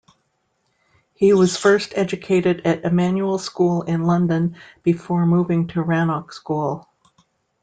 He was first educated at Emanuel School in London, before moving to Rannoch School.